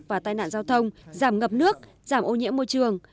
và tai nạn giao thông giảm ngập nước giảm ô nhiễm môi trường